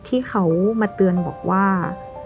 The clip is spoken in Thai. ที่เขามาเตือนบอกว่า